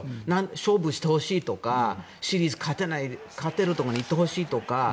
勝負してほしいとかシリーズ勝てるところに行ってほしいとか。